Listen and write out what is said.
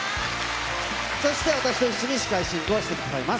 そして私と一緒に司会進行してくださいます。